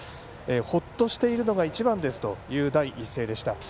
ほっとしているのが一番ですという第一声でした。